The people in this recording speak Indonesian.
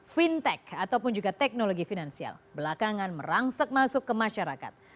fintech ataupun juga teknologi finansial belakangan merangsak masuk ke masyarakat